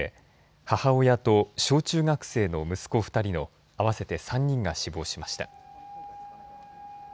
母親と小中学生の息子２人の合わせて３人が死亡しました。